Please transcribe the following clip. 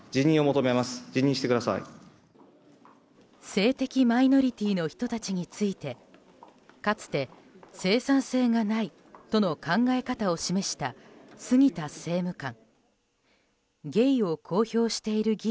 性的マイノリティーの人たちについてかつて生産性がないとの考え方を示した杉田政務官。